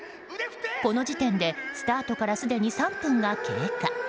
この時点でスタートからすでに３分が経過。